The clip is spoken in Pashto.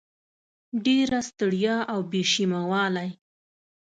ډېره ستړیا او بې شیمه والی